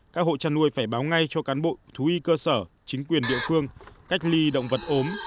các hộ chăn nuôi phải báo ngay cho cán bộ thú y cơ sở chính quyền địa phương cách ly động vật ốm